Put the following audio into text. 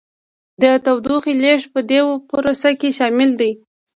د تودوخې لیږد په دې پروسه کې شامل دی.